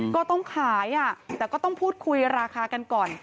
ก็ต้องขายแต่ก็ต้องพูดคุยราคากันก่อน